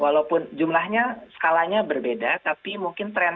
walaupun jumlahnya skalanya berbeda tapi mungkin trennya sama